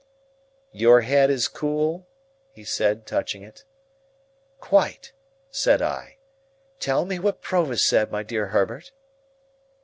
"Your head is cool?" he said, touching it. "Quite," said I. "Tell me what Provis said, my dear Herbert."